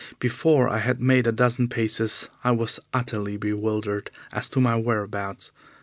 Before I had made a dozen paces, I was utterly bewildered as to my whereabouts.